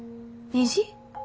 虹？